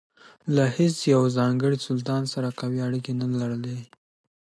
له هیڅ یوه ځانګړي سلطان سره قوي اړیکې نه لرلې.